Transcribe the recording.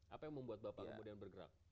apa yang membuat bapak kemudian bergerak